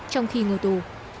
trong khi ngồi tù